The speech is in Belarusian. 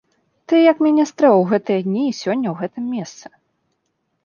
Ты як мяне стрэў у гэтыя дні і сёння ў гэтым месцы?